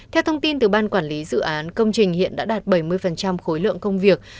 theo thông tin từ ban quản lý dự án công trình hiện đã đạt bảy mươi khối lượng công việc